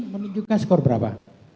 menunjukkan skor berapa